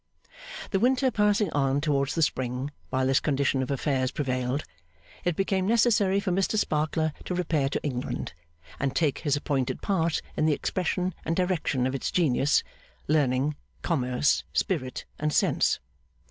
The winter passing on towards the spring while this condition of affairs prevailed, it became necessary for Mr Sparkler to repair to England, and take his appointed part in the expression and direction of its genius, learning, commerce, spirit, and sense.